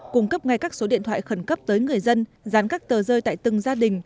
cung cấp ngay các số điện thoại khẩn cấp tới người dân dán các tờ rơi tại từng gia đình